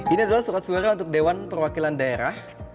ini adalah surat suara untuk dewan perwakilan daerah